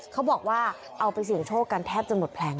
เขาบอกว่าเอาไปเสี่ยงโชคกันแทบจะหมดแผลง